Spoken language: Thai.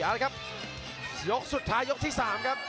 เอาละครับยกสุดท้ายยกที่๓ครับ